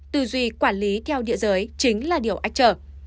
tư duy quản lý theo địa giới chính là điều ách trở